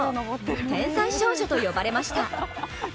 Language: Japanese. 天才少女と呼ばれました。